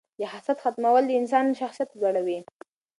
د حسد ختمول د انسان شخصیت لوړوي.